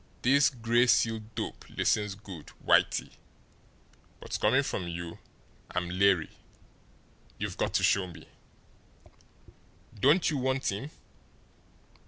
"This Gray Seal dope listens good, Whitey; but, coming from you, I'm leery. You've got to show me." "Don't you want him?"